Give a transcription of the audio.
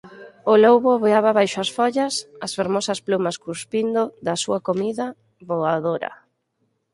O lobo ouveaba baixo as follas As fermosas plumas cuspindo Da súa comida voadora